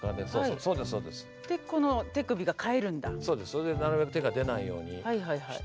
それでなるべく手が出ないようにして。